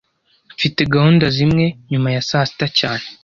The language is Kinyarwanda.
Mfite gahunda zimwe nyuma ya saa sita cyane